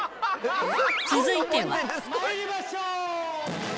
続いては。まいりましょう。